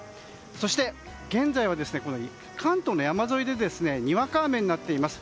そして、現在は関東の山沿いでにわか雨になっています。